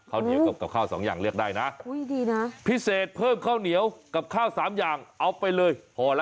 ข้าวเหนียวกับข้าวสองอย่างเลือกได้นะพิเศษเพิ่มข้าวเหนียวกับข้าวสามอย่างเอาไปเลยพอแล้ว